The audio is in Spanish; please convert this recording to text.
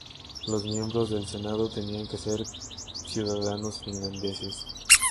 Los miembros del Senado tenían que ser ciudadanos finlandeses.